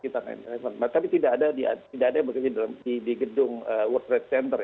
tapi tidak ada yang bekerja di gedung world trade center